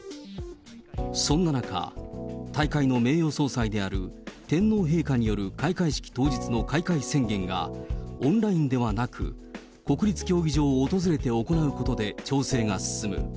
そんな中、大会の名誉総裁である天皇陛下による開会式当日の開会宣言が、オンラインではなく、国立競技場を訪れて行うことで調整が進む。